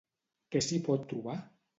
Què s'hi pot trobar?